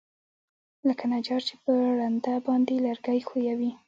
لکه نجار چې په رنده باندى لرګى ښويوي.